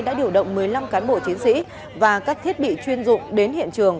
đã điều động một mươi năm cán bộ chiến sĩ và các thiết bị chuyên dụng đến hiện trường